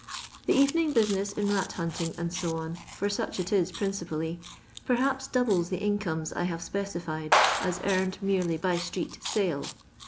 The erening business in rat hnnting, &c, for such it is principally, perhaps doubles the incomes I hare specified as earned merely by itnetrtale.